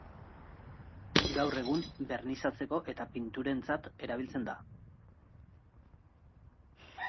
Gaur egun bernizatzeko eta pinturentzat erabiltzen da.